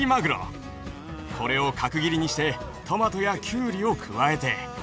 これを角切りにしてトマトやきゅうりを加えて。